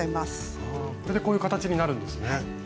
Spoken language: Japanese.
これでこういう形になるんですね。